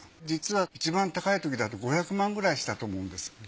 実はいちばん高いときだと５００万くらいしたと思うんです。